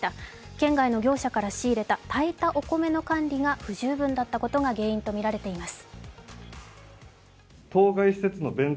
県外の業者から仕入れた炊いたお米の管理が不十分だったことが原因とみられています。